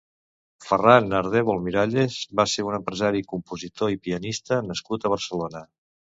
Ferran Ardèvol Miralles va ser un empresari, compositor i pianista nascut a Barcelona.